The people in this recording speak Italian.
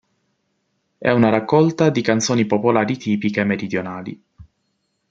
È una raccolta di canzoni popolari tipiche meridionali.